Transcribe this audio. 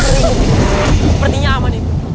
sepertinya aman ini